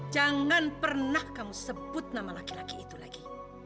jangan pernah kamu sebut nama laki laki itu lagi